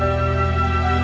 dia berusia lima belas tahun